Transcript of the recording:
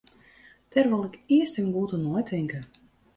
Dêr wol ik earst even goed oer neitinke.